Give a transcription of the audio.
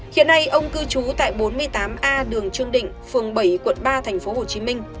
hiện nay ông cư trú tại bốn mươi tám a đường trương định phường bảy quận ba tp hcm